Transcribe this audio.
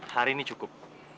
hari ini cukup